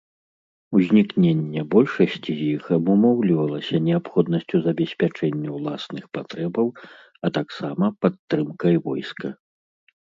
Узнікненне большасці з іх абумоўлівалася неабходнасцю забеспячэння ўласных патрэбаў, а таксама падтрымкай войска.